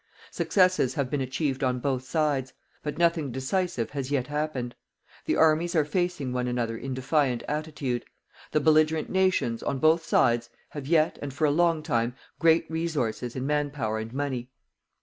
Successes have been achieved on both sides. But nothing decisive has yet happened. The armies are facing one another in defiant attitude. The belligerent nations, on both sides, have yet, and for a long time, great resources in man power and money."